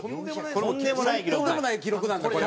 とんでもない記録なんだこれは。